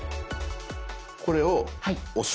これを押す。